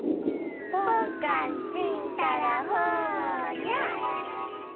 ぽんかんちんたらほにゃ！